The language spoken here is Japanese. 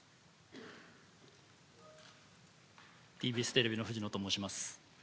ＴＢＳテレビのふじのと申します。